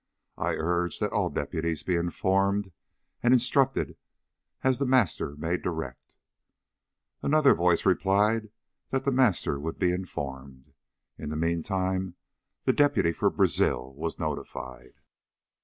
I urge that all deputies be informed and instructed as The Master may direct._" Another voice replied that The Master would be informed. In the meantime the deputy for Brazil was notified.